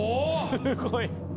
すごい。